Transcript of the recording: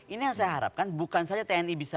ini yang saya harapkan bukan saja tni bisa